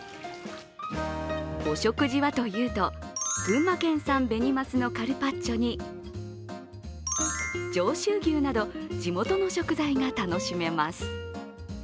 お食事はというと、群馬県産紅マスのカルパッチョに上州牛など地元の食材が楽しめます。